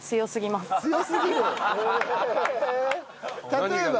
例えば？